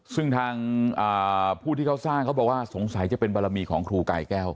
ซึ่งทางผู้ที่เขาสร้างเขาบอกว่าสงสัยจะเป็นบารมีของครูกายแก้ว